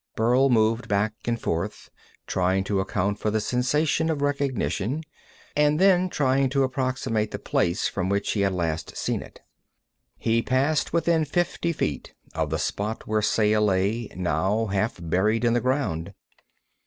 Burl moved back and forth, trying to account for the sensation of recognition, and then trying to approximate the place from which he had last seen it. He passed within fifty feet of the spot where Saya lay, now half buried in the ground.